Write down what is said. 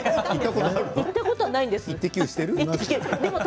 行ったことはないんですけど。